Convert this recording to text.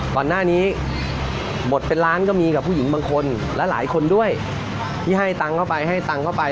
ก่อนหน้านี้บทเป็นล้านก็มีกับผู้หญิงบางคนและหลายคนด้วยที่ให้ตังค์เข้าไปให้ตังค์เข้าไป